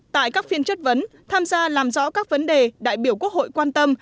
tại các phiên chất vấn tham gia làm rõ các vấn đề đại biểu quốc hội quan tâm